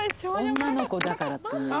「女の子だから」っていうのね。